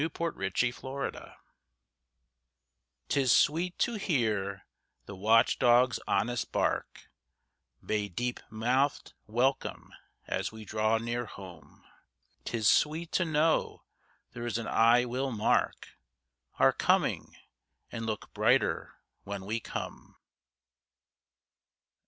A FRIENDLY WELCOME 'Tis sweet to hear the watch dog's honest bark Bay deep mouthed welcome as we draw near home; 'Tis sweet to know there is an eye will mark Our coming, and look brighter when we come.